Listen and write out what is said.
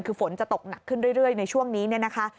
คือฝนจะตกหนักขึ้นเรื่อยในช่วงนี้เนี่ยนะคะ